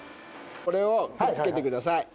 これをくっつけてください。